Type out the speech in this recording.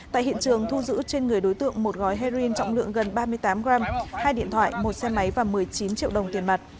tại hiện trường thu giữ trên người đối tượng một gói heroin trọng lượng gần ba mươi tám g hai điện thoại một xe máy và một mươi chín triệu đồng tiền mặt